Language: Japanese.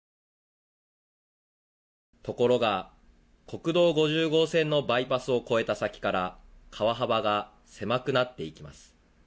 ところが国道５０号線のバイパスを越えた先から川幅が狭くなっていきます。